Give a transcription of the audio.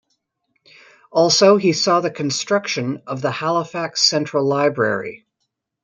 Also, he saw the construction of the Halifax Central Library.